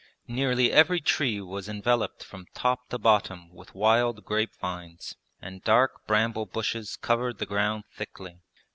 Nearly every tree was enveloped from top to bottom with wild grape vines, and dark bramble bushes covered the ground thickly.